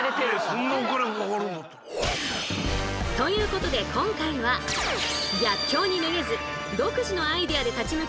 そんなお金上がるんだったら。ということで今回は逆境にめげず独自のアイデアで立ち向かうローカル線。